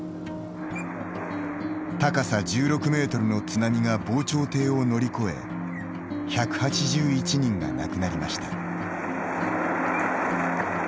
高さ１６メートルの津波が防潮堤を乗り越え１８１人が亡くなりました。